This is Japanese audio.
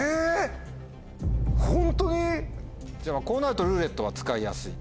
じゃあこうなると「ルーレット」は使いやすい。